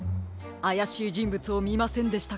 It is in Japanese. あやしいじんぶつをみませんでしたか？